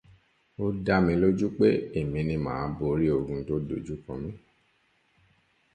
Ó dá mi lójú pé èmi ni màá borí ogun tó dojú kọ mí